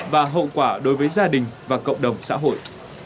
và hậu quả đối với gia đình và cộng đồng xã hội